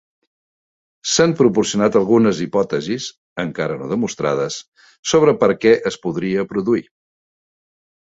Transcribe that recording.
S'han proporcionat algunes hipòtesis, encara no demostrades, sobre per què es podria produir.